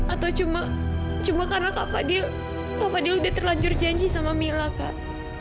atau cuma karena kak fadhil sudah terlanjur janji dengan camilla kak